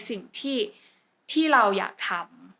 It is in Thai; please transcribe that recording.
สิ่งที่เราอยากทำ